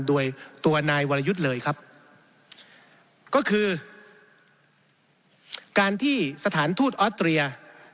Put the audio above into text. โดยตัวนายวรยุทธ์เลยครับก็คือการที่สถานทูตออสเตรีย